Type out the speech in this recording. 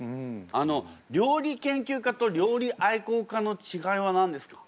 あの料理研究家と料理愛好家のちがいは何ですか？